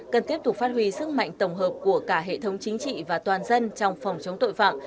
cần tiếp tục phát huy sức mạnh tổng hợp của cả hệ thống chính trị và toàn dân trong phòng chống tội phạm